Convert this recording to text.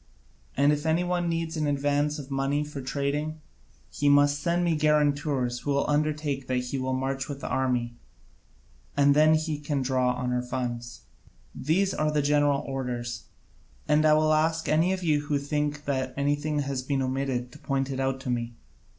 And if any one needs an advance of money for trading, he must send me guarantors who will undertake that he will march with the army, and then he can draw on our funds. These are the general orders: and I will ask any of you who think that anything has been omitted to point it out to me.